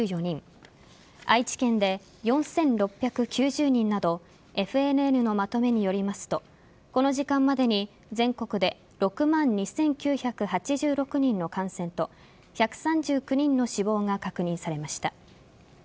愛知県で４６９０人などＦＮＮのまとめによりますとこの時間までに全国で６万２９８６人の感染と１３９人の死亡が確認されました。